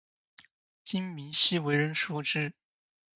金珉锡为人熟识。